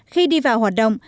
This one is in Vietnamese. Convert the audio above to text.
khi đi vào hoạt động